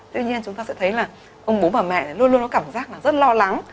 tuy nhiên chúng ta sẽ thấy là ông bố bà mẹ luôn luôn có cảm giác là rất lo lắng